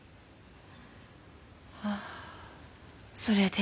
あそれで。